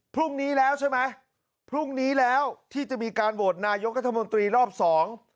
พรุ่งนี้แล้วใช่ไหมพรุ่งนี้แล้วที่จะมีการโหวตนายกรัฐมนตรีรอบสอง